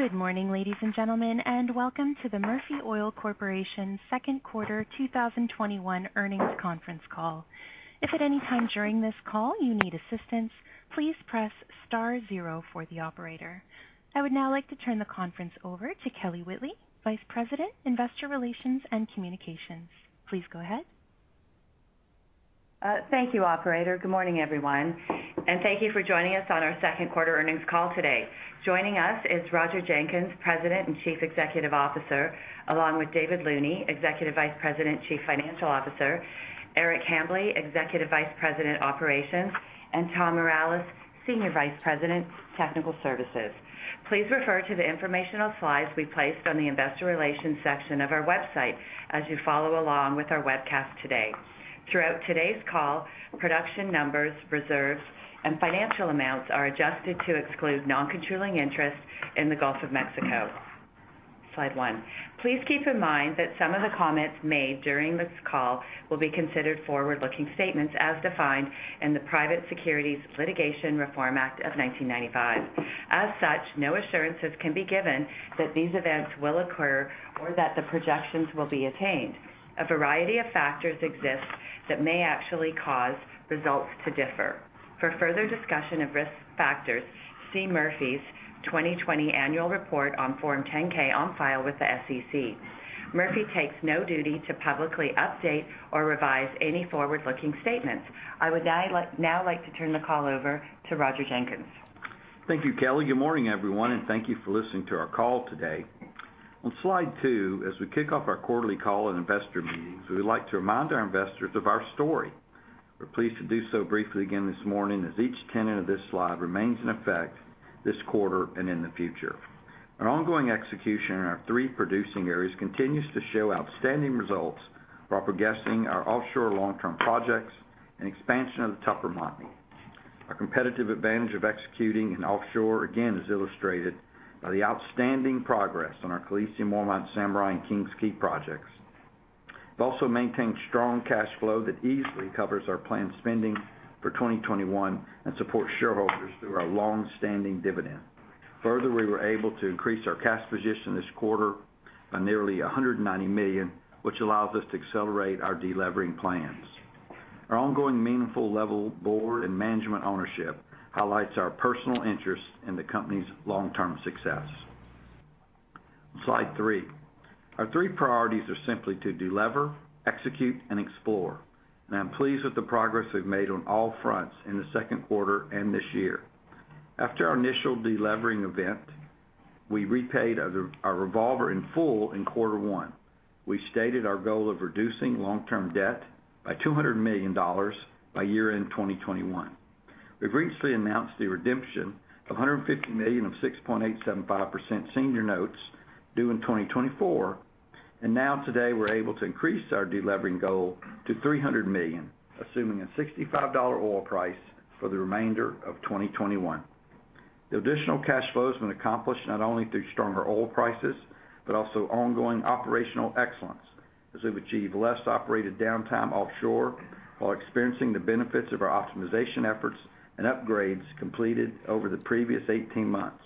Good morning, ladies and gentlemen, and welcome to the Murphy Oil Corporation second quarter 2021 earnings conference call. If at any time during this call you need assistance, please press star zero for the operator. I would now like to turn the conference over to Kelly Whitley, Vice President, Investor Relations and Communications. Please go ahead. Thank you, operator. Good morning, everyone, and thank you for joining us on our second quarter earnings call today. Joining us is Roger Jenkins, President and Chief Executive Officer, along with David Looney, Executive Vice President, Chief Financial Officer, Eric Hambly, Executive Vice President, Operations, and Tom Mireles, Senior Vice President, Technical Services. Please refer to the informational slides we placed on the investor relations section of our website as you follow along with our webcast today. Throughout today's call, production numbers, reserves, and financial amounts are adjusted to exclude non-controlling interests in the Gulf of Mexico. Slide one. Please keep in mind that some of the comments made during this call will be considered forward-looking statements as defined in the Private Securities Litigation Reform Act of 1995. As such, no assurances can be given that these events will occur or that the projections will be attained. A variety of factors exist that may actually cause results to differ. For further discussion of risk factors, see Murphy's 2020 annual report on Form 10-K on file with the SEC. Murphy takes no duty to publicly update or revise any forward-looking statements. I would now like to turn the call over to Roger Jenkins. Thank you, Kelly. Good morning, everyone, and thank you for listening to our call today. On slide two, as we kick off our quarterly call and investor meetings, we would like to remind our investors of our story. We're pleased to do so briefly again this morning, as each tenet of this slide remains in effect this quarter and in the future. Our ongoing execution in our three producing areas continues to show outstanding results while progressing our offshore long-term projects and the expansion of the Tupper Montney. Our competitive advantage of executing in offshore again is illustrated by the outstanding progress on our Calliope, Beaumont, Samurai, and Kings Quay projects. We've also maintained a strong cash flow that easily covers our planned spending for 2021 and supports shareholders through our longstanding dividend. Further, we were able to increase our cash position this quarter by nearly $190 million, which allows us to accelerate our de-levering plans. Our ongoing meaningful level board and management ownership highlights our personal interest in the company's long-term success. Slide three. Our three priorities are simply to de-lever, execute, and explore, and I'm pleased with the progress we've made on all fronts in the second quarter and this year. After our initial de-levering event, we repaid our revolver in full in quarter one. We stated our goal of reducing long-term debt by $200 million by year-end 2021. We've recently announced the redemption of $150 million of 6.875% senior notes due in 2024. Now today, we're able to increase our de-levering goal to $300 million, assuming a $65 oil price for the remainder of 2021. The additional cash flow has been accomplished not only through stronger oil prices, but also ongoing operational excellence as we've achieved less operated downtime offshore while experiencing the benefits of our optimization efforts and upgrades completed over the previous 18 months,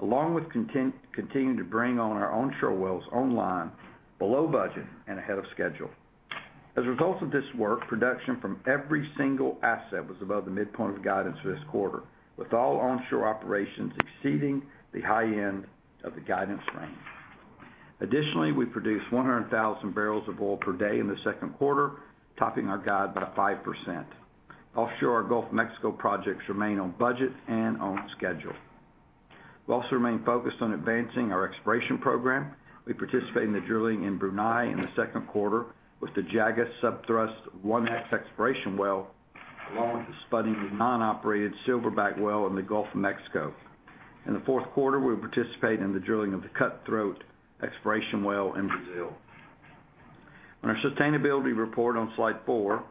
along with continuing to bring on our onshore wells online below budget and ahead of schedule. As a result of this work, production from every single asset was above the midpoint of guidance for this quarter, with all onshore operations exceeding the high end of the guidance range. Additionally, we produced 100,000 bbl of oil per day in the second quarter, topping our guide by 5%. Offshore, our Gulf of Mexico projects remain on budget and on schedule. We also remain focused on advancing our exploration program. We participated in the drilling in Brunei in the second quarter with the Jagus Sub-thrust 1X exploration well, along with the spudding of the non-operated Silverback well in the Gulf of Mexico. In the fourth quarter, we will participate in the drilling of the Cutthroat exploration well in Brazil. On our sustainability report on slide four,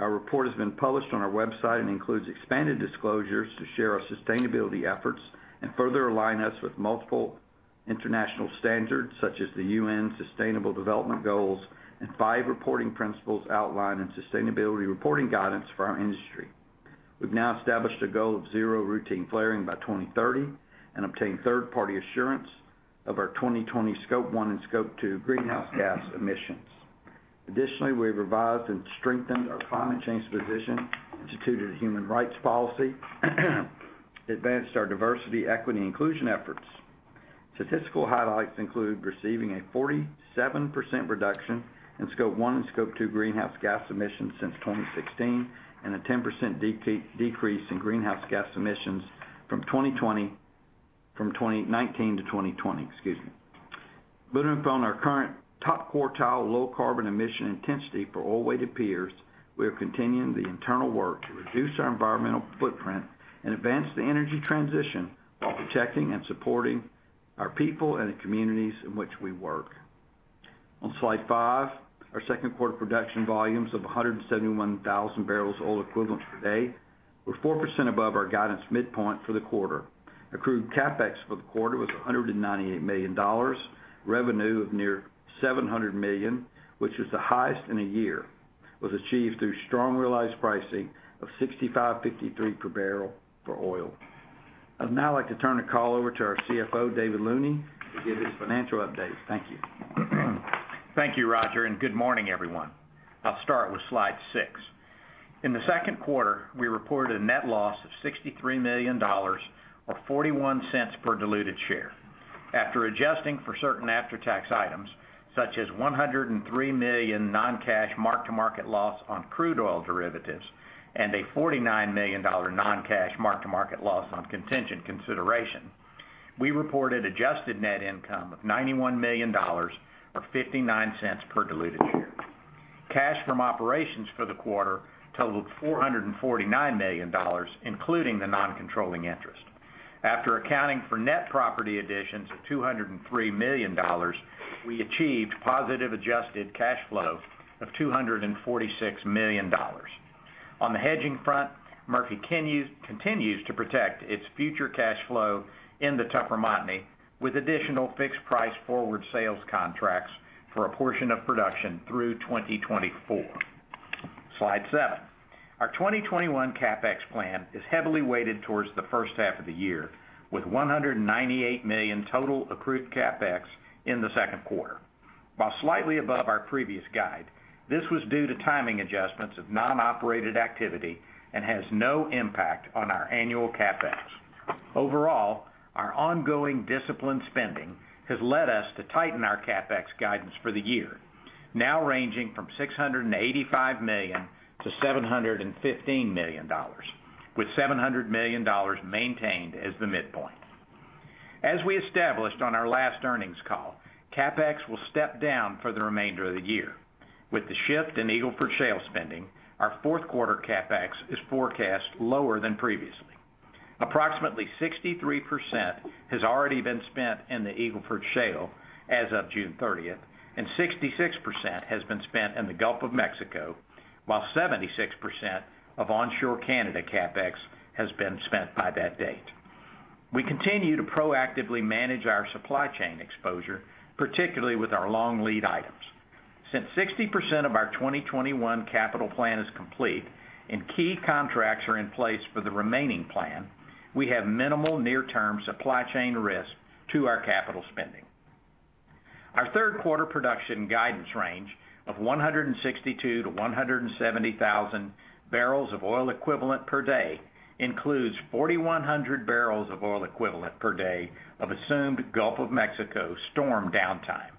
our report has been published on our website and includes expanded disclosures to share our sustainability efforts and further align us with multiple international standards, such as the UN Sustainable Development Goals and five reporting principles outlined in sustainability reporting guidance for our industry. We've now established a goal of zero routine flaring by 2030 and obtained third-party assurance of our 2020 Scope 1 and Scope 2 greenhouse gas emissions. Additionally, we've revised and strengthened our climate change position, instituted a human rights policy, advanced our diversity, equity, and inclusion efforts. Statistical highlights include receiving a 47% reduction in Scope 1 and Scope 2 greenhouse gas emissions since 2016, and a 10% decrease in greenhouse gas emissions from 2019-2020. Building upon our current top quartile low carbon emission intensity for oil-weighted peers, we are continuing the internal work to reduce our environmental footprint and advance the energy transition while protecting and supporting our people and the communities in which we work. On slide five, our second quarter production volumes of 171,000 bbl oil equivalent per day were 4% above our guidance midpoint for the quarter. Accrued CapEx for the quarter was $198 million. Revenue of nearly $700 million, which was the highest in a year, was achieved through strong realized pricing of $65.53 per bbl for oil. I'd now like to turn the call over to our CFO, David Looney, to give his financial update. Thank you. Thank you, Roger, and good morning, everyone. I'll start with slide six. In the second quarter, we reported a net loss of $63 million or $0.41 per diluted share. After adjusting for certain after-tax items, such as $103 million non-cash mark-to-market loss on crude oil derivatives and a $49 million non-cash mark-to-market loss on contingent consideration, we reported adjusted net income of $91 million or $0.59 per diluted share. Cash from operations for the quarter totaled $449 million, including the non-controlling interest. After accounting for net property additions of $203 million, we achieved a positive adjusted cash flow of $246 million. On the hedging front, Murphy continues to protect its future cash flow in the Tupper Montney with additional fixed price forward sales contracts for a portion of production through 2024. Slide seven. Our 2021 CapEx plan is heavily weighted towards the first half of the year, with $198 million total accrued CapEx in the second quarter. While slightly above our previous guide, this was due to timing adjustments of non-operated activity and has no impact on our annual CapEx. Overall, our ongoing disciplined spending has led us to tighten our CapEx guidance for the year, now ranging from $685 million-$715 million, with $700 million maintained as the midpoint. As we established on our last earnings call, CapEx will step down for the remainder of the year. With the shift in Eagle Ford Shale spending, our fourth quarter CapEx is forecast lower than previously. Approximately 63% has already been spent in the Eagle Ford Shale as of June 30th, and 66% has been spent in the Gulf of Mexico, while 76% of onshore Canada CapEx has been spent by that date. We continue to proactively manage our supply chain exposure, particularly with our long lead items. Since 60% of our 2021 capital plan is complete and key contracts are in place for the remaining plan, we have minimal near-term supply chain risk to our capital spending. Our third quarter production guidance range of 162,000 bbl to 170,000 bbl of oil equivalent per day includes 4,100 bbl of oil equivalent per day of assumed Gulf of Mexico storm downtime.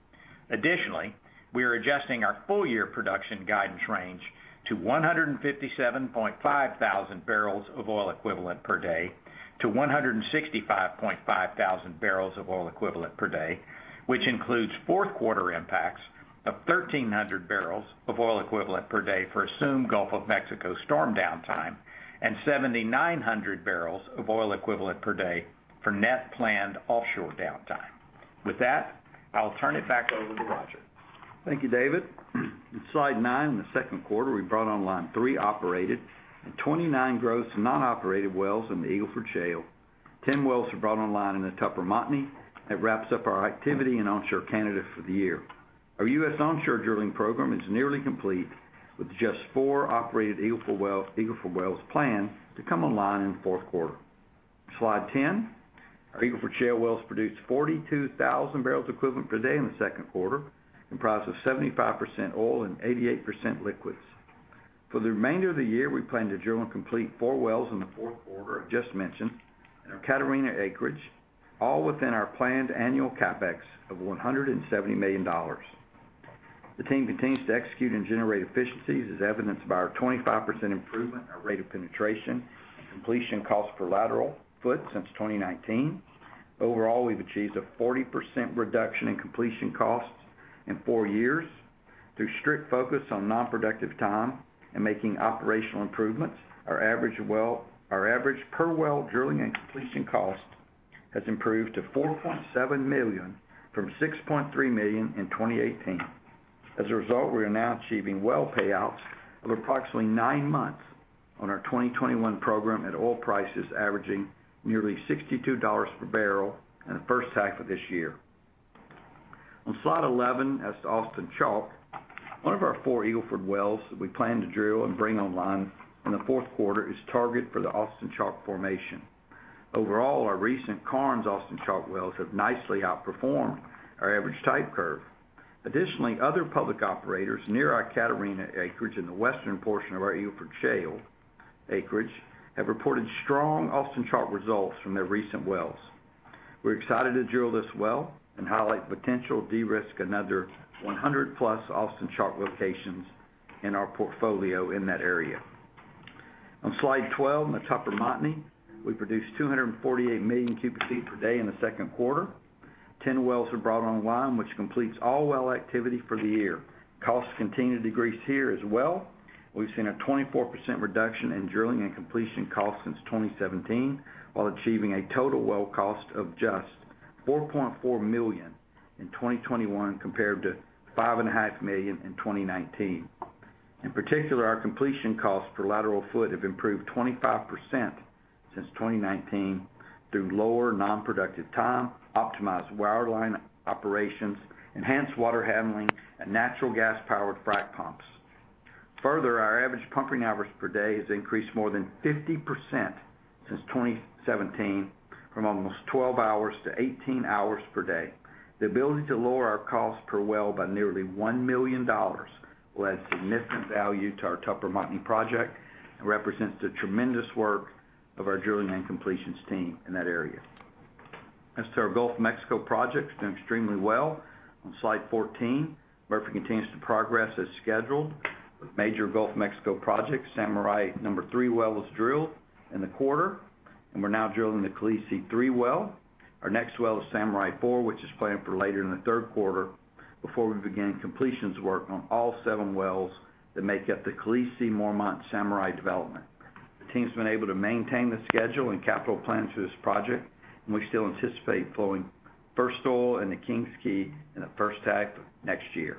Additionally, we are adjusting our full-year production guidance range to 157,500 bbl of oil equivalent per day to 165,500 bbl of oil equivalent per day, which includes fourth quarter impacts of 1,300 bbl of oil equivalent per day for assumed Gulf of Mexico storm downtime and 7,900 bbl of oil equivalent per day for net planned offshore downtime. With that, I'll turn it back over to Roger. Thank you, David. In slide nine, in the second quarter, we brought online three operated and 29 gross non-operated wells in the Eagle Ford Shale. 10 wells were brought online in the Tupper Montney. That wraps up our activity in onshore Canada for the year. Our U.S. onshore drilling program is nearly complete, with just four operated Eagle Ford wells planned to come online in the fourth quarter. Slide 10. Our Eagle Ford Shale wells produced 42,000 bbl equivalent per day in the second quarter, comprised of 75% oil and 88% liquids. For the remainder of the year, we plan to drill and complete four wells in the fourth quarter, I just mentioned, in our Catarina acreage, all within our planned annual CapEx of $170 million. The team continues to execute and generate efficiencies as evidenced by our 25% improvement in our rate of penetration and completion cost per lateral foot since 2019. Overall, we've achieved a 40% reduction in completion costs in four years through strict focus on non-productive time and making operational improvements. Our average per-well drilling and completion cost has improved to $4.7 million from $6.3 million in 2018. As a result, we are now achieving well payouts of approximately nine months on our 2021 program at oil prices averaging nearly $62 per barrel in the first half of this year. On slide 11, as to Austin Chalk, one of our four Eagle Ford wells that we plan to drill and bring online in the fourth quarter is targeted for the Austin Chalk formation. Overall, our recent Karnes Austin Chalk wells have nicely outperformed our average type curve. Other public operators near our Catarina acreage in the western portion of our Eagle Ford Shale acreage have reported strong Austin Chalk results from their recent wells. We're excited to drill this well and highlight potential de-risk another 100+ Austin Chalk locations in our portfolio in that area. On slide 12, in the Tupper Montney, we produced 248 million cu ft per day in the second quarter. 10 wells were brought online, which completes all well activity for the year. Costs continue to decrease here as well. We've seen a 24% reduction in drilling and completion costs since 2017, while achieving a total well cost of just $4.4 million in 2021 compared to $5.5 million in 2019. In particular, our completion costs per lateral foot have improved 25% since 2019, through lower non-productive time, optimized waterline operations, enhanced water handling, and natural gas-powered frac pumps. Further, our average pumping hours per day has increased more than 50% since 2017, from almost 12 hours to 18 hours per day. The ability to lower our cost per well by nearly $1 million will add significant value to our Tupper Montney project and represents the tremendous work of our drilling and completions team in that area. As to our Gulf of Mexico projects, doing extremely well. On slide 14, Murphy continues to progress as scheduled. With major Gulf of Mexico projects, the Samurai Number 3 well was drilled in the quarter. We're now drilling the Khaleesi-3 well. Our next well is Samurai-4, which is planned for later in the third quarter, before we begin completions work on all seven wells that make up the Khaleesi/Mormont Samurai development. The team's been able to maintain the schedule and capital plans for this project, and we still anticipate flowing first oil in the Kings Quay in the first half of next year.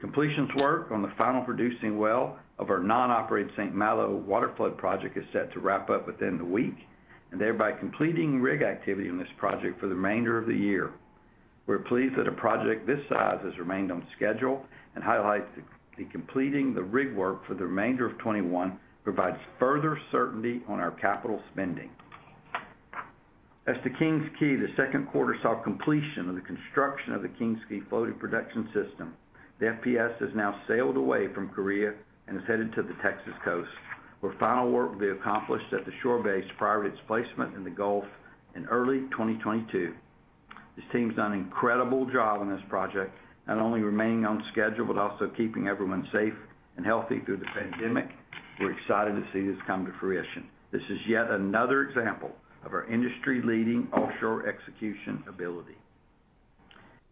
Completions work on the final producing well of our non-operated St. Malo waterflood project is set to wrap up within the week, and thereby completing rig activity on this project for the remainder of the year. We're pleased that a project this size has remained on schedule and highlight that completing the rig work for the remainder of 2021 provides further certainty on our capital spending. As to Kings Quay, the second quarter saw the completion of the construction of the Kings Quay floating production system. The FPS has now sailed away from Korea and is headed to the Texas coast, where final work will be accomplished at the shore base prior to its placement in the Gulf in early 2022. This team's done an incredible job on this project, not only remaining on schedule, but also keeping everyone safe and healthy through the pandemic. We're excited to see this come to fruition. This is yet another example of our industry-leading offshore execution ability.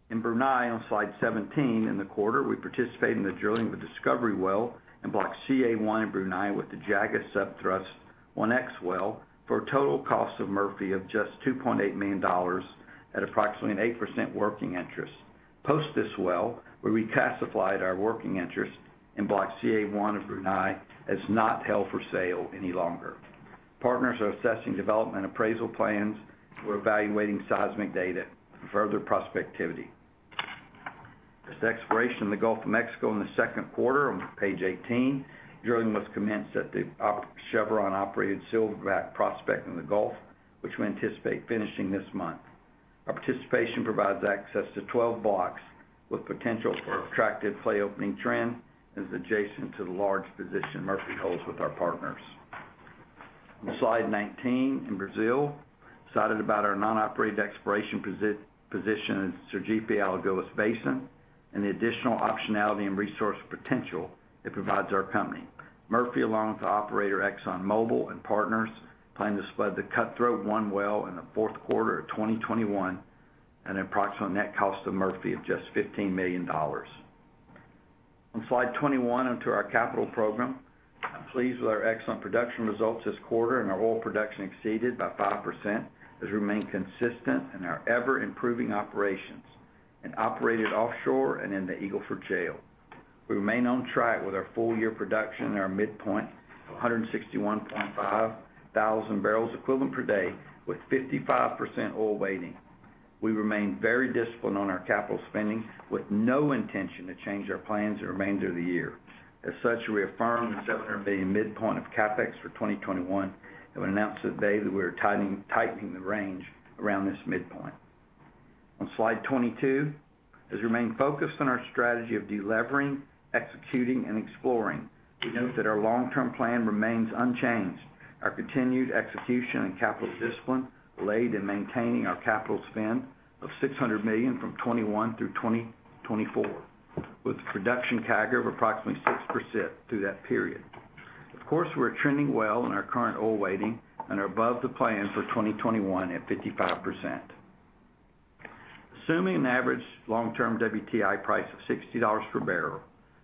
In Brunei, on slide 17, in the quarter, we participated in the drilling of a discovery well in Block CA-1 in Brunei with the Jagus Sub-thrust 1X well for a total cost of Murphy of just $2.8 million at approximately an 8% working interest. Post this well, where we classified our working interest in Block CA-1 of Brunei as not held for sale any longer. Partners are assessing development appraisal plans. We're evaluating seismic data and further prospectivity. As to exploration in the Gulf of Mexico in the second quarter, on page 18, drilling was commenced at the Chevron-operated Silverback prospect in the Gulf, which we anticipate finishing this month. Our participation provides access to 12 blocks with potential for an attractive play opening trend and is adjacent to the large position Murphy holds with our partners. On slide 19, in Brazil, excited about our non-operated exploration position in Sergipe-Alagoas Basin, and the additional optionality and resource potential it provides our company. Murphy, along with operator ExxonMobil and partners, plans to spud the Cutthroat-1 well in the fourth quarter of 2021 at an approximate net cost to Murphy of just $15 million. On slide 21, onto our capital program. I'm pleased with our excellent production results this quarter. Our oil production exceeded by 5% as we remain consistent in our ever-improving operations in operated offshore and in the Eagle Ford Shale. We remain on track with our full-year production at our midpoint of 161,500 bbl equivalent per day with 55% oil weighting. We remain very disciplined on our capital spending, with no intention to change our plans for the remainder of the year. As such, we affirm the $700 million midpoint of CapEx for 2021. We announced today that we are tightening the range around this midpoint. On slide 22, as we remain focused on our strategy of de-levering, executing, and exploring. We note that our long-term plan remains unchanged. Our continued execution and capital discipline laid in maintaining our capital spend of $600 million from 2021 through 2024, with a production CAGR of approximately 6% through that period. Of course, we're trending well in our current oil weighting and are above the plan for 2021 at 55%. Assuming an average long-term WTI price of $60 per barrel,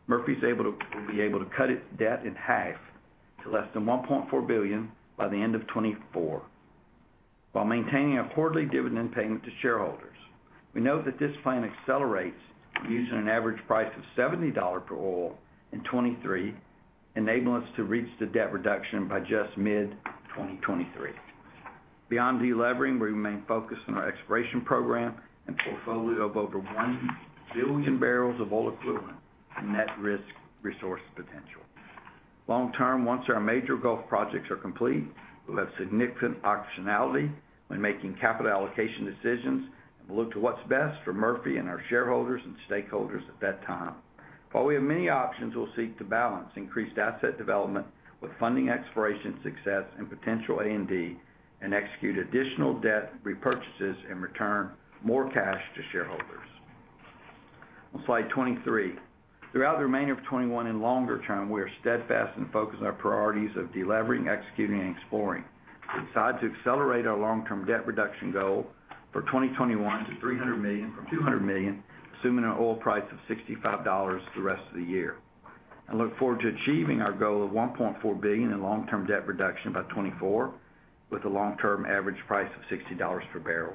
Murphy Oil will be able to cut its debt in half to less than $1.4 billion by the end of 2024, while maintaining a quarterly dividend payment to shareholders. We note that this plan accelerates using an average price of $70 for oil in 2023, enabling us to reach the debt reduction by just mid-2023. Beyond de-levering, we remain focused on our exploration program and portfolio of over 1 billion barrels of oil equivalent in net risk resource potential. Long-term, once our major Gulf projects are complete, we'll have significant optionality when making capital allocation decisions, and we'll look to what's best for Murphy and our shareholders and stakeholders at that time. While we have many options, we'll seek to balance increased asset development with funding exploration success and potential A&D and execute additional debt repurchases and return more cash to shareholders. On slide 23. Throughout the remainder of 2021 and longer term, we are steadfast and focused on our priorities of de-levering, executing, and exploring. We've decided to accelerate our long-term debt reduction goal for 2021 to $300 million from $200 million, assuming an oil price of $65 the rest of the year, and look forward to achieving our goal of $1.4 billion in long-term debt reduction by 2024, with a long-term average price of $60 per barrel.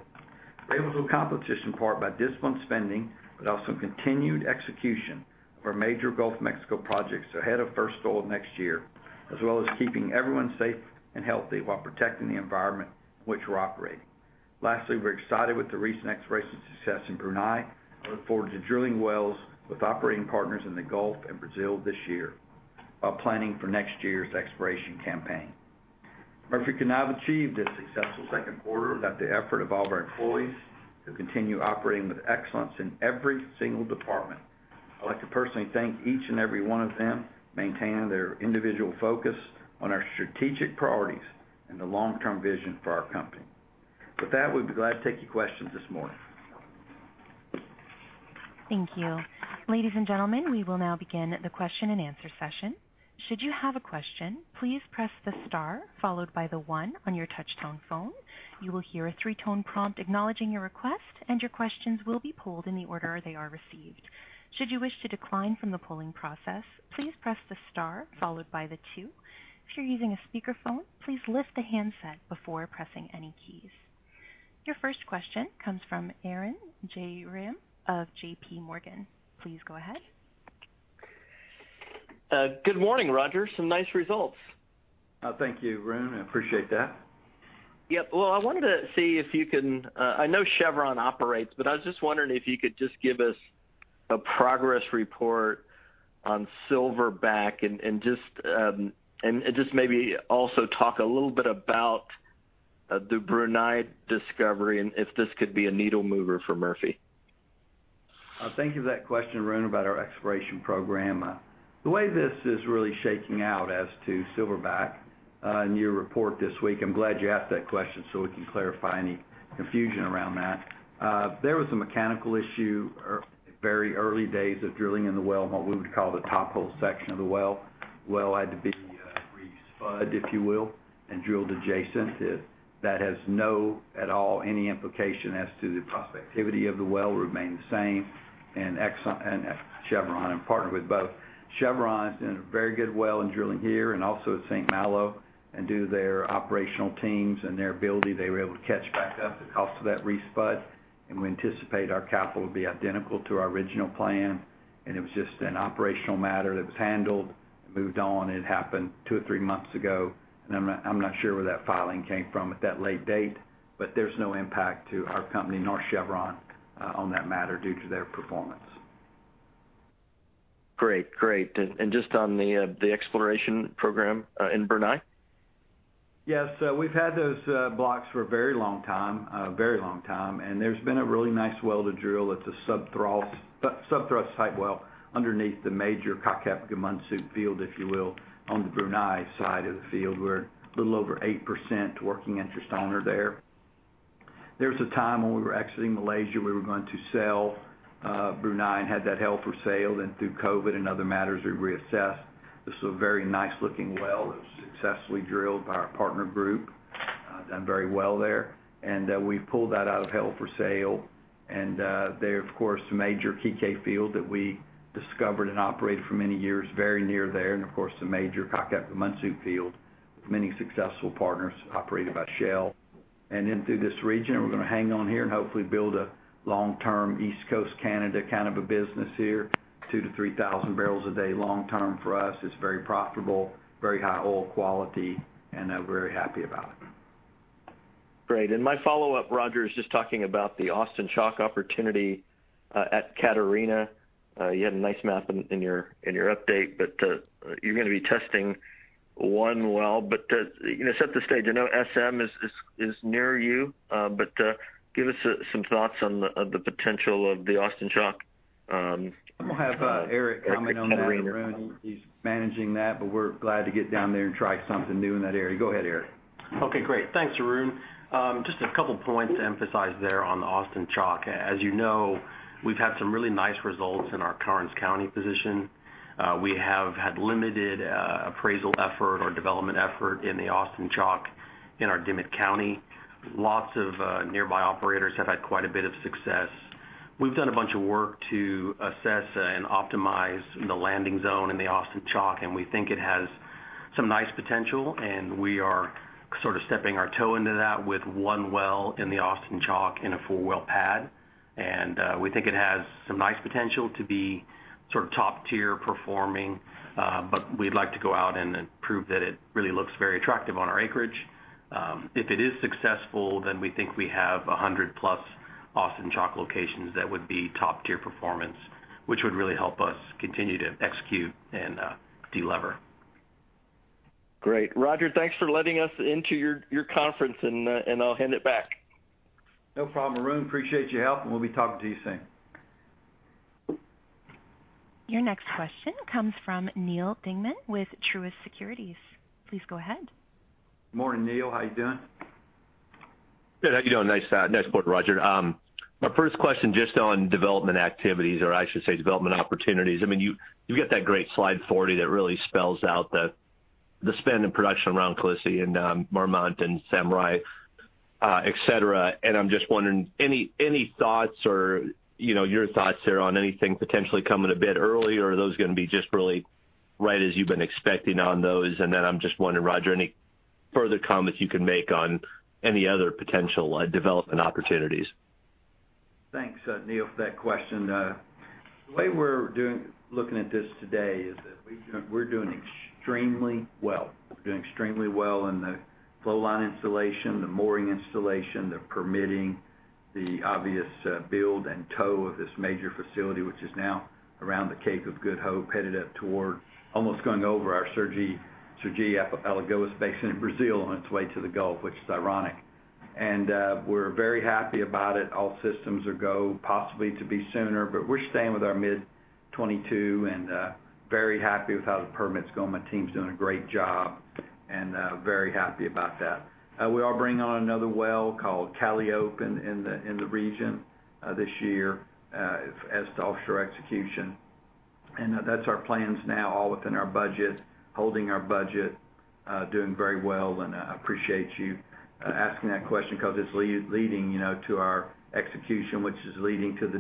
We're able to accomplish this in part by disciplined spending, but also continued execution of our major Gulf of Mexico projects ahead of first oil next year, as well as keeping everyone safe and healthy while protecting the environment in which we're operating. Lastly, we're excited with the recent exploration success in Brunei. I look forward to drilling wells with operating partners in the Gulf and Brazil this year, while planning for next year's exploration campaign. Murphy could not have achieved this successful second quarter without the effort of all of our employees, who continue operating with excellence in every single department. I'd like to personally thank each and every one of them, maintaining their individual focus on our strategic priorities and the long-term vision for our company. With that, we'd be glad to take your questions this morning. Thank you. Ladies and gentlemen, we will now begin the question-and-answer session. Your first question comes from Arun Jayaram of JPMorgan. Please go ahead. Good morning, Roger. Some nice results. Thank you, Arun. I appreciate that. Yep. Well, I know Chevron operates, I was just wondering if you could just give us a progress report on Silverback, and just maybe also talk a little bit about the Brunei discovery, and if this could be a needle mover for Murphy? Thank you for that question, Arun, about our exploration program. The way this is really shaking out as to Silverback in your report this week, I'm glad you asked that question, so we can clarify any confusion around that. There was a mechanical issue very early days of drilling in the well, what we would call the top hole section of the well. Well had to be re-spudded, if you will, and drilled adjacent. That has no, at all, any implication as to the prospectivity of the well. Remain the same. Chevron, I'm partnered with both. Chevron has done a very good well in drilling here and also at St. Malo. Due to their operational teams and their ability, they were able to catch back up on the cost of that re-spud, and we anticipate our capital will be identical to our original plan. It was just an operational matter that was handled and moved on. It happened two or three months ago. I'm not sure where that filing came from at that late date. There's no impact to our company nor Chevron on that matter due to their performance. Great. Just on the exploration program in Brunei? Yes. We've had those blocks for a very long time; there's been a really nice well to drill. It's a sub-thrust type well underneath the major Kakap Gumusut field, if you will, on the Brunei side of the field. We're a little over 8% working interest owner there. There was a time when we were exiting Malaysia, we were going to sell Brunei, and had that held for sale. Through COVID and other matters, we reassessed. This is a very nice-looking well that was successfully drilled by our partner group. Done very well there. We've pulled that out of held for sale. They're, of course, the major Kikeh field that we discovered and operated for many years, very near there. Of course, the major Kakap Gumusut field, with many successful partners, operated by Shell. Through this region, we're going to hang on here and hopefully build a long-term East Coast Canada kind of business here. 2,000 bbl-3,000 bbl a day long-term for us. It's very profitable, very high oil quality, and we're very happy about it. Great. My follow-up, Roger, is just talking about the Austin Chalk opportunity at Catarina. You had a nice map in your update. You're going to be testing one well. Set the stage. I know SM is near you. Give us some thoughts on the potential of the Austin Chalk. I'm going to have Eric comment on that, Arun. He's managing that. We're glad to get down there and try something new in that area. Go ahead, Eric. Okay, great. Thanks, Arun. Just a couple of points to emphasize there on the Austin Chalk. As you know, we've had some really nice results in our Karnes County position. We have had limited appraisal effort or development effort in the Austin Chalk in our Dimmit County. Lots of nearby operators have had quite a bit of success. We've done a bunch of work to assess and optimize the landing zone in the Austin Chalk, and we think it has some nice potential. We are sort of stepping our toe into that with one well in the Austin Chalk in a four-well pad. We think it has some nice potential to be sort of top-tier performing. We'd like to go out and prove that it really looks very attractive on our acreage. If it is successful, we think we have 100+Austin Chalk locations that would be top-tier performance, which would really help us continue to execute and de-lever. Great. Roger, thanks for letting us into your conference. I'll hand it back. No problem, Arun. Appreciate your help, and we'll be talking to you soon. Your next question comes from Neal Dingmann with Truist Securities. Please go ahead. Morning, Neal. How are you doing? Good, how are you doing? Nice report, Roger. My first question is just on development activities, or I should say development opportunities. You've got that great slide 40 that really spells out the spend and production around Khaleesi, and Mormont, and Samurai, et cetera. I'm just wondering, any thoughts or your thoughts there on anything potentially coming a bit early, or are those going to be just really right as you've been expecting on those? I'm just wondering, Roger, any further comments you can make on any other potential development opportunities. Thanks, Neal, for that question. The way we're looking at this today is that we're doing extremely well. We're doing extremely well in the flow line installation, the mooring installation, the permitting, the obvious build and tow of this major facility, which is now around the Cape of Good Hope, headed up toward, almost going over our Sergipe-Alagoas Basin in Brazil on its way to the Gulf, which is ironic. We're very happy about it. All systems are go, possibly to be sooner, but we're staying with our mid-2022 and are very happy with how the permit's going. My team's doing a great job, very happy about that. We are bringing on another well called Calliope in the region this year as to offshore execution. That's our plan now, all within our budget, holding our budget, doing very well, and I appreciate you asking that question because it's leading to our execution, which is leading to the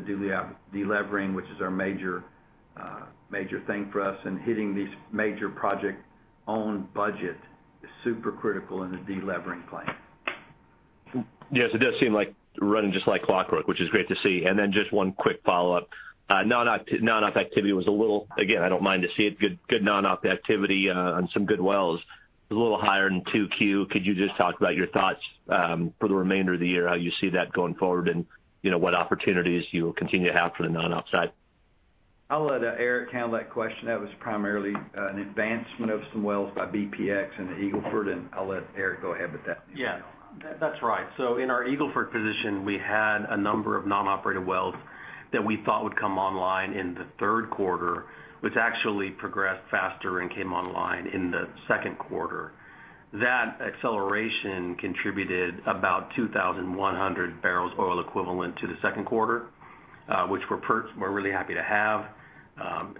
de-levering, which is our major thing for us. Hitting these major projects on budget is super critical in the de-levering plan. Yes, it does seem like running just like clockwork, which is great to see. Just one quick follow-up. Non-op activity was a little, again, I don't mind to see it, good non-op activity on some good wells. It was a little higher in 2Q. Could you just talk about your thoughts for the remainder of the year, how you see that going forward, and what opportunities you will continue to have for the non-op side? I'll let Eric handle that question. That was primarily an advancement of some wells by BPX in the Eagle Ford, and I'll let Eric go ahead with that. Yeah. That's right. In our Eagle Ford position, we had a number of non-operated wells that we thought would come online in the third quarter, which actually progressed faster and came online in the second quarter. That acceleration contributed about 2,100 bbl oil equivalent to the second quarter, which we're really happy to have.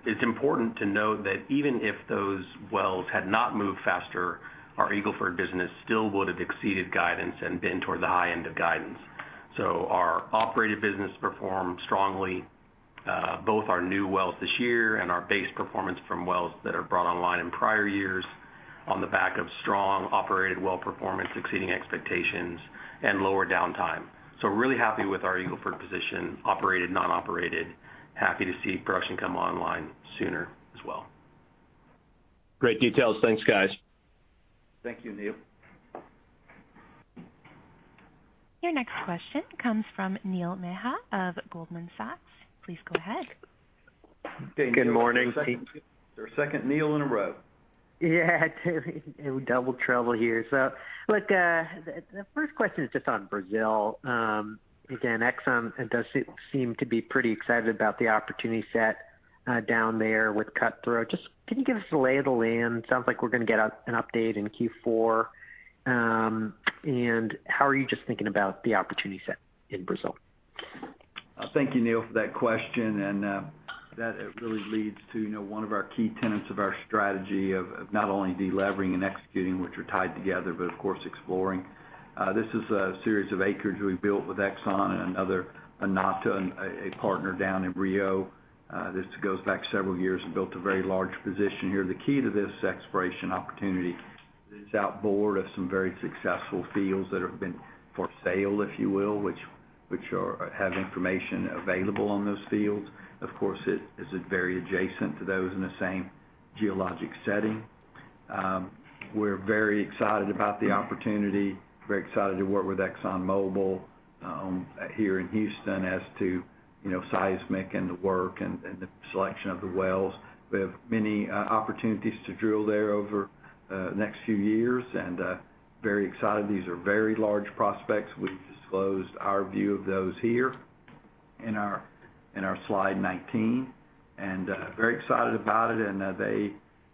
It's important to note that even if those wells had not moved faster, our Eagle Ford business still would've exceeded guidance and been toward the high end of guidance. Our operated business performed strongly, both our new wells this year and our base performance from wells that are brought online in prior years, on the back of strong operated well performance exceeding expectations and lower downtime. Really happy with our Eagle Ford position, operated, non-operated, happy to see production come online sooner as well. Great details. Thanks, guys. Thank you, Neal. Your next question comes from Neil Mehta of Goldman Sachs. Please go ahead. Good morning. Our second Neil in a row. Yeah. Double trouble here. Look, the first question is just on Brazil. Again, Exxon does seem to be pretty excited about the opportunity set down there with Cutthroat. Can you just give us the lay of the land? Sounds like we're going to get an update in Q4. How are you just thinking about the opportunity set in Brazil? Thank you Neil, for that question. That really leads to one of our key tenets of our strategy of not only de-levering and executing, which are tied together, but of course, exploring. This is a series of acreage we built with Exxon and another, ANP, a partner down in Rio. This goes back several years and has built a very large position here. The key to this exploration opportunity is outboard of some very successful fields that have been for sale, if you will, which have information available on those fields. Of course, it is very adjacent to those in the same geologic setting. We're very excited about the opportunity, very excited to work with ExxonMobil here in Houston, as to seismic and the work and the selection of the wells. We have many opportunities to drill there over the next few years. Very excited. These are very large prospects. We've disclosed our view of those here in our slide 19, and very excited about it.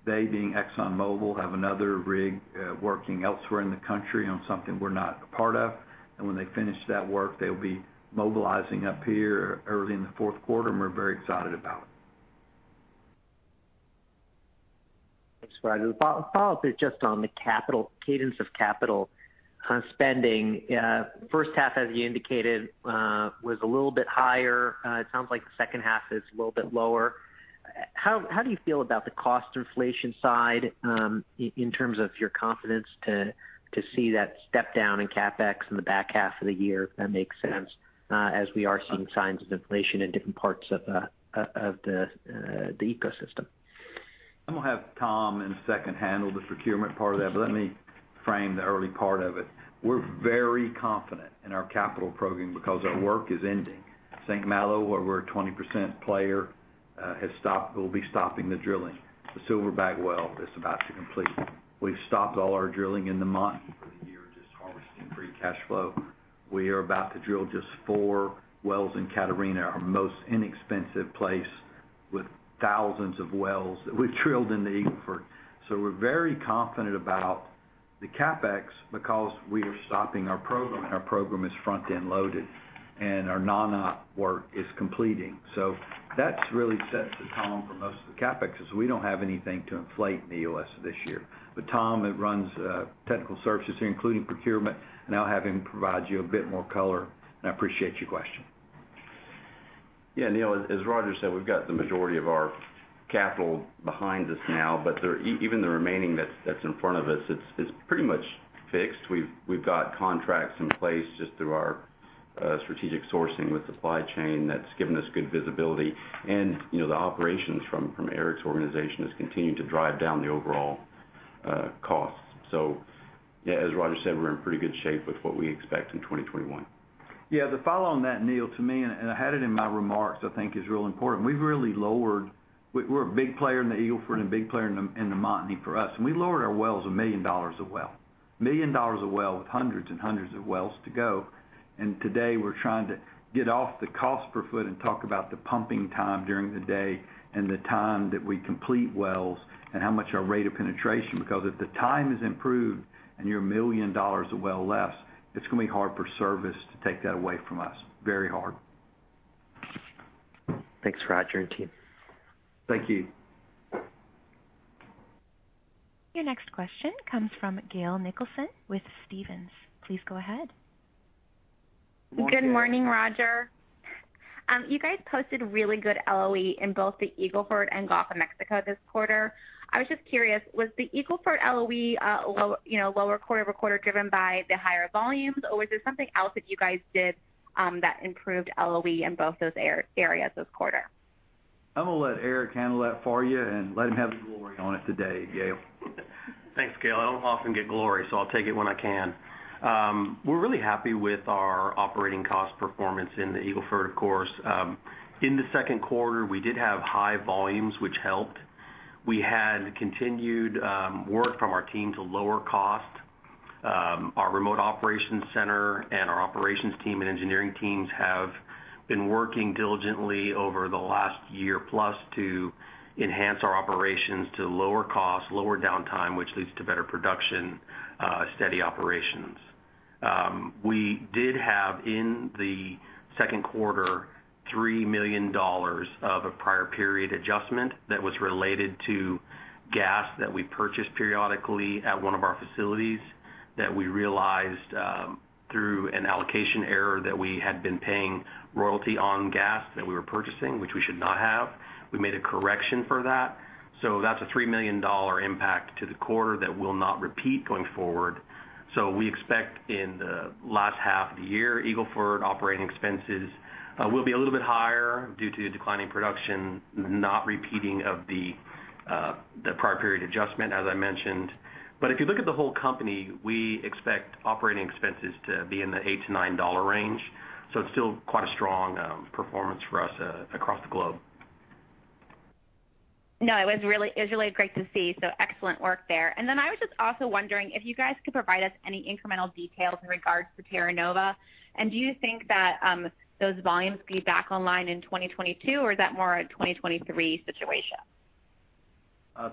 They, being ExxonMobil, have another rig working elsewhere in the country on something we're not a part of. When they finish that work, they'll be mobilizing up here early in the fourth quarter, and we're very excited about it. That's right. The follow-up is just on the cadence of capital spending. First half, as you indicated, was a little bit higher. It sounds like the second half is a little bit lower. How do you feel about the cost inflation side in terms of your confidence to see that step down in CapEx in the back half of the year, if that makes sense, as we are seeing signs of inflation in different parts of the ecosystem? I'm going to have Tom in a second handle the procurement part of that. Let me frame the early part of it. We're very confident in our capital program because our work is ending. St. Malo, where we're a 20% player, will be stopping the drilling. The Silverback well is about to be completed. We've stopped all our drilling in the Montney for the year, just harvesting free cash flow. We are about to drill just four wells in Catarina, our most inexpensive place, with 1,000s of wells that we've drilled in the Eagle Ford. We're very confident about the CapEx because we are stopping our program, and our program is front-end loaded, and our non-op work is completing. That really sets the tone for most of the CapExs. We don't have anything to inflate in the U.S. this year. Tom Mireles runs technical services here, including procurement, and I'll have him provide you a bit more color. I appreciate your question. Yeah, Neil, as Roger said, we've got the majority of our capital behind us now. Even the remaining that's in front of us, it's pretty much fixed. We've got contracts in place just through our strategic sourcing with the supply chain that's given us good visibility. The operations from Eric's organization has continued to drive down the overall costs. Yeah, as Roger said, we're in pretty good shape with what we expect in 2021. Yeah. To follow on that, Neil, to me, I had it in my remarks, I think is real important. We're a big player in the Eagle Ford and a big player in the Montney for us; we lowered our wells $1 million a well. $1 million a well, with hundreds and hundreds of wells to go. Today we're trying to get off the cost per foot and talk about the pumping time during the day, and the time that we complete wells, and how much our rate of penetration. Because if the time is improved and you're $1 million a well less, it's going to be hard for service to take that away from us. Very hard. Thanks, Roger and team. Thank you. Your next question comes from Gail Nicholson with Stephens. Please go ahead. Good morning. Morning, Gail. Good morning, Roger. You guys posted really good LOE in both the Eagle Ford and the Gulf of Mexico this quarter. I was just curious, was the Eagle Ford LOE lower quarter-over-quarter driven by the higher volumes, or was there something else that you guys did that improved LOE in both those areas this quarter? I'm going to let Eric handle that for you and let him have the glory on it today, Gail. Thanks, Gail. I don't often get glory, so I'll take it when I can. We're really happy with our operating cost performance in the Eagle Ford, of course. In the second quarter, we did have high volumes, which helped. We had continued work from our team to lower cost. Our remote operations center and our operations team and engineering teams have been working diligently over the last year+ to enhance our operations to lower costs, lower downtime, which leads to better production, steady operations. We did have, in the second quarter, $3 million of a prior period adjustment that was related to gas that we purchased periodically at one of our facilities that we realized, through an allocation error, that we had been paying royalty on gas that we were purchasing, which we should not have. We made a correction for that. That's a $3 million impact to the quarter that will not repeat going forward. We expect in the last half of the year, Eagle Ford operating expenses will be a little bit higher due to declining production, not repeating of the prior period adjustment, as I mentioned. If you look at the whole company, we expect operating expenses to be in the $8-$9 range. It's still quite a strong performance for us across the globe. It was really great to see. Excellent work there. I was just also wondering if you guys could provide us any incremental details in regards to Terra Nova. Do you think that those volumes will be back online in 2022, or is that more of a 2023 situation?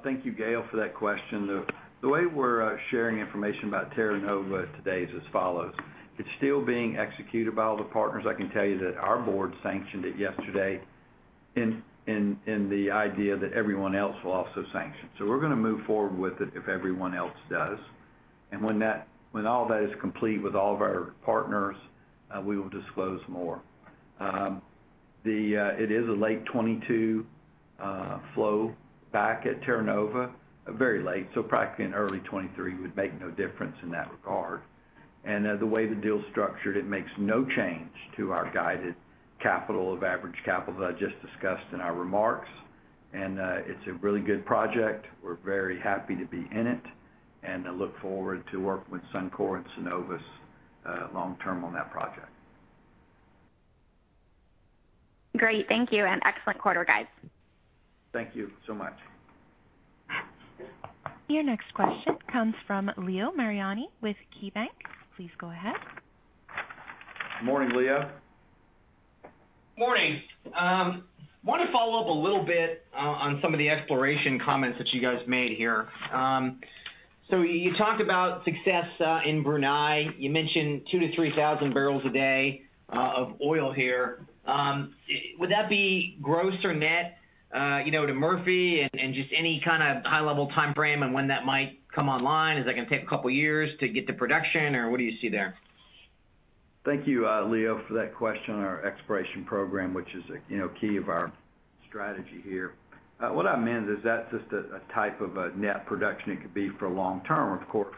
Thank you, Gail, for that question. The way we're sharing information about Terra Nova today is as follows. It's still being executed by all the partners. I can tell you that our board sanctioned it yesterday in the idea that everyone else will also sanction. We're going to move forward with it if everyone else does. When all that is complete with all of our partners, we will disclose more. It is a late 2022 flow back at Terra Nova, very late, so practically in early 2023. Would make no difference in that regard. The way the deal is structured, it makes no change to our guided capital of average capital that I just discussed in our remarks. It's a really good project. We're very happy to be in it, and I look forward to working with Suncor and Cenovus long-term on that project. Great. Thank you, and excellent quarter, guys. Thank you so much. Your next question comes from Leo Mariani with KeyBank. Please go ahead. Morning, Leo. Morning. I want to follow up a little bit on some of the exploration comments that you guys made here. You talked about success in Brunei. You mentioned 2,000 bbl-3,000 bbl a day of oil here. Would that be gross or net to Murphy? Just any kind of high-level timeframe on when that might come online. Is that going to take two years to get to production, or what do you see there? Thank you, Leo, for that question on our exploration program, which is key of our strategy here. What I meant is that's just a type of net production it could be for the long term. Of course,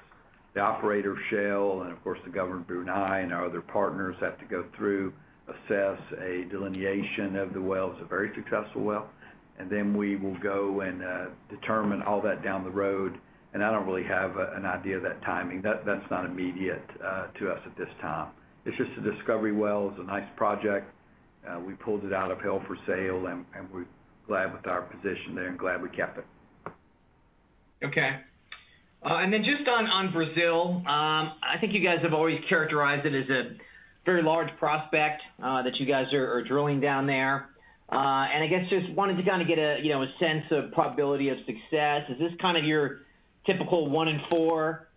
the operator, Shell, and of course the government of Brunei and our other partners have to go through, assess a delineation of the wells, a very successful well, and then we will go and determine all that down the road. I don't really have an idea of that timing. That's not immediate to us at this time. It's just a discovery well. It's a nice project. We pulled it out of hold for sale, and we're glad with our position there and glad we kept it. Okay. Just on Brazil, I think you guys have always characterized it as a very large prospect that you guys are drilling down there. I guess I just wanted to kind of get a sense of the probability of success. Is this kind of your typical 1:4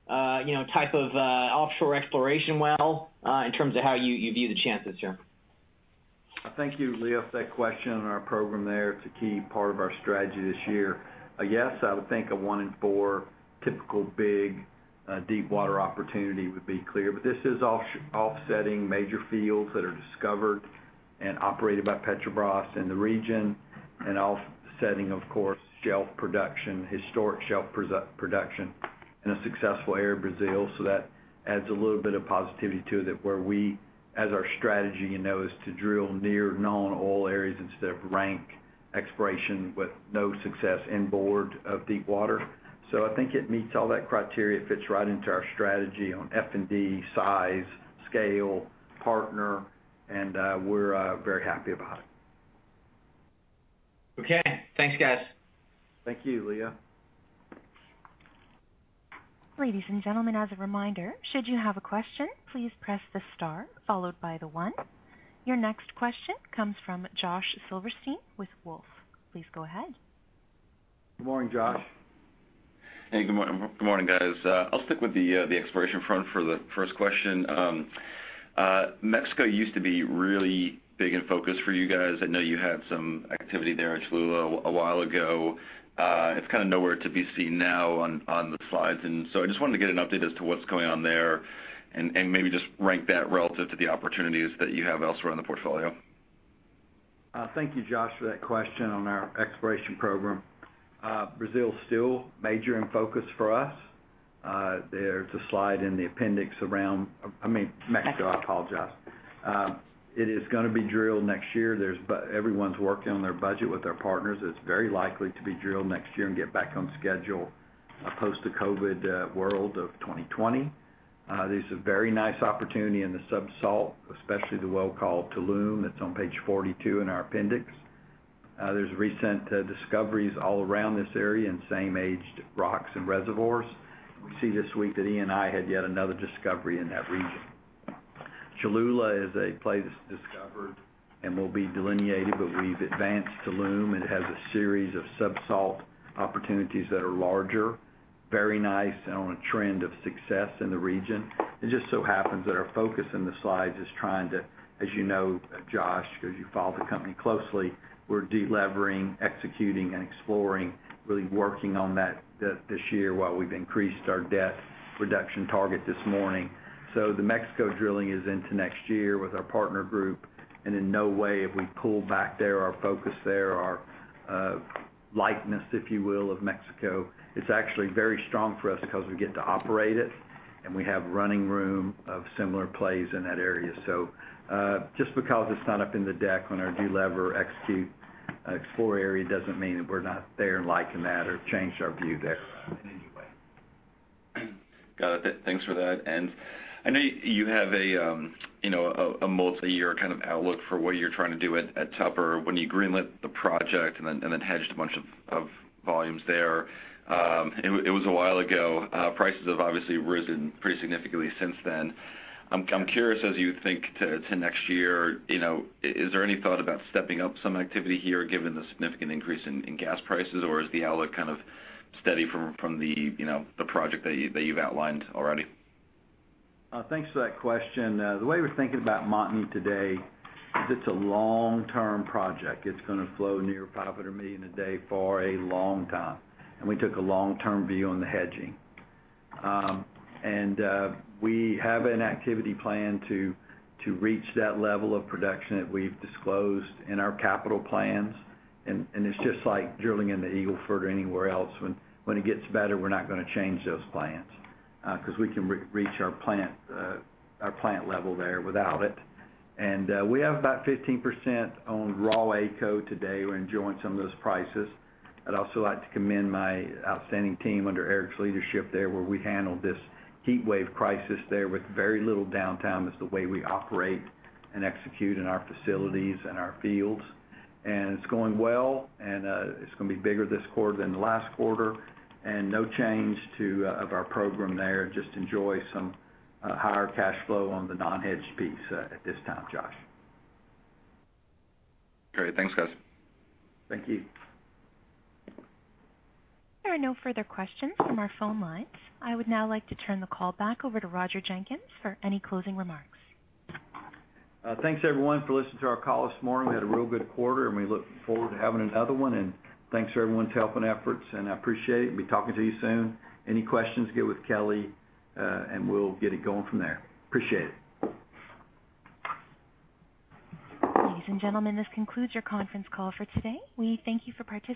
type of offshore exploration well in terms of how you view the chances here? Thank you, Leo, for that question on our program there. It's a key part of our strategy this year. Yes, I would think a one in four typical big deepwater opportunity would be clear. This is offsetting major fields that are discovered. Operated by Petrobras in the region, offsetting, of course, shelf production, historic shelf production, in a successful area of Brazil. That adds a little bit of positivity to it, that where we, as our strategy, you know, is to drill near known oil areas instead of rank exploration with no success inboard of deepwater. I think it meets all that criteria. It fits right into our strategy on F&D, size, scale, partner, and we're very happy about it. Okay. Thanks, guys. Thank you, Leo. Ladies and gentlemen, as a reminder, should you have a question, please press the star followed by the one. Your next question comes from Josh Silverstein with Wolfe. Please go ahead. Good morning, Josh. Hey, good morning, guys. I'll stick with the exploration front for the first question. Mexico used to be really big in focus for you guys. I know you had some activity there at Cholula a while ago. It's kind of nowhere to be seen now on the slides. I just wanted to get an update as to what's going on there and maybe just rank that relative to the opportunities that you have elsewhere in the portfolio. Thank you, Josh, for that question on our exploration program. Brazil is still a major in focus for us. There's a slide in the appendix, around I mean, Mexico. I apologize. It is going to be drilled next year. Everyone's working on their budget with their partners. It's very likely to be drilled next year and get back on schedule post the COVID world of 2020. There's a very nice opportunity in the sub-salt, especially the well called Tulum. It's on page 42 in our appendix. There's recent discoveries all around this area in the same-aged rocks and reservoirs. We see this week that Eni had yet another discovery in that region. Cholula is a play that's discovered and will be delineated, but we've advanced Tulum. It has a series of sub-salt opportunities that are larger. Very nice and on a trend of success in the region. It just so happens that our focus in the slides is trying to, as you know, Josh, because you follow the company closely, we're de-levering, executing, and exploring, really working on that this year, while we've increased our debt reduction target this morning. The Mexico drilling is into next year with our partner group, and in no way have we pulled back there our focus there, our likeness, if you will, of Mexico. It's actually very strong for us because we get to operate it, and we have running room of similar plays in that area. Just because it's not up in the deck on our de-lever execute explore area doesn't mean that we're not there liking that or have changed our view there in any way. Got it. Thanks for that. I know you have a multi-year kind of outlook for what you're trying to do at Tupper when you greenlit the project and then hedged a bunch of volumes there. It was a while ago. Prices have obviously risen pretty significantly since then. I'm curious, as you think to next year, is there any thought about stepping up some activity here given the significant increase in gas prices? Is the outlook kind of steady from the project that you've outlined already? Thanks for that question. The way we're thinking about Montney today is it's a long-term project. It's going to flow near $500 million a day for a long time, and we took a long-term view on the hedging. We have an activity plan to reach that level of production that we've disclosed in our capital plans, and it's just like drilling in the Eagle Ford or anywhere else. When it gets better, we're not going to change those plans, because we can reach our plant level there without it. We have about 15% on AECO today. We're enjoying some of those prices. I'd also like to commend my outstanding team under Eric's leadership there, where we handled this heatwave crisis there with very little downtime. That's the way we operate and execute in our facilities and our fields. It's going well, and it's going to be bigger this quarter than the last quarter, and no change in our program there. Just enjoy some higher cash flow on the non-hedged piece at this time, Josh. Great. Thanks, guys. Thank you. There are no further questions from our phone lines. I would now like to turn the call back over to Roger Jenkins for any closing remarks. Thanks, everyone, for listening to our call this morning. We had a real good quarter, we look forward to having another one. Thanks for everyone's helping efforts, I appreciate it. Be talking to you soon. Any questions, get with Kelly, and we'll get it going from there. Appreciate it. Ladies and gentlemen, this concludes your conference call for today. We thank you for participating.